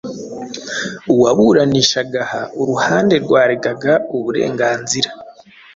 uwaburanishaga aha uruhande rwaregaga uburenganzira